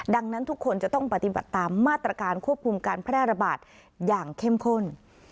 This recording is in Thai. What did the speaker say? ดังนั้นทุกคนจะต้องปฏิบัติตามมาตรการควบคุมการแพร่ระบาดอย่างเข้มข้น